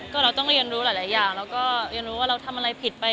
ก็เราต้องเรียนรู้หลายอย่างแล้วก็เรียนรู้ว่าเราทำอะไรผิดไป